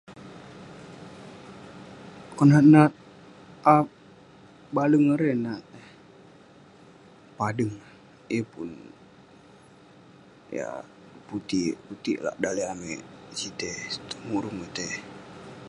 Konak nat aap baleng erei nat eh. Padeng, yeng pun yah putik- putik lak daleh amik sitei, tong Murum itei.